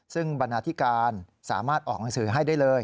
ซึ่งบรรณาธิการสามารถออกหนังสือให้ได้เลย